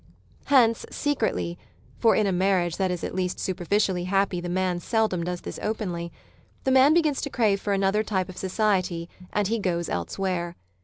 Hence secretly (for in a marriage that is at least superficially happy the man seldom does this openly) the man begins to crave for another type of society and he " goes elsewhere."